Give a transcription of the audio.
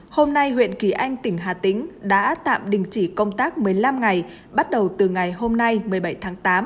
hôm nay huyện kỳ anh tỉnh hà tĩnh đã tạm đình chỉ công tác một mươi năm ngày bắt đầu từ ngày hôm nay một mươi bảy tháng tám